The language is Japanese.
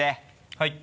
はい。